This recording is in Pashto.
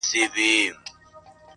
مړی نه ارزي، چي و ارزي کفن څيري.